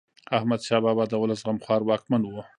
احمد شاه بابا د ولس غمخوار واکمن و.